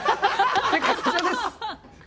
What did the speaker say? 正解は、こちらです！